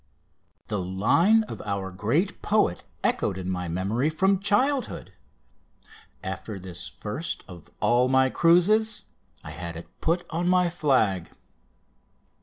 The line of our great poet echoed in my memory from childhood. After this first of all my cruises I had it put on my flag.